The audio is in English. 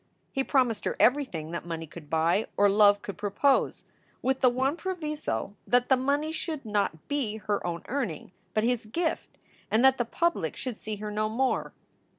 He promised her everything that money could buy or love could propose, with the one proviso that the money should not be her own earning, but his gift, and that the public should see her no more.